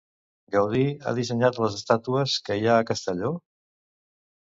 Gaudí ha dissenyat les estàtues que hi ha a Castelló?